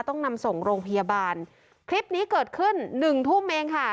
ต้องนำส่งโรงพยาบาลคลิปนี้เกิดขึ้นหนึ่งทุ่มเองค่ะ